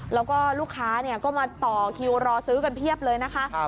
แล้วก็ลูกค้าก็มาต่อคิวรอซื้อกันเพียบเลยนะคะ